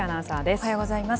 おはようございます。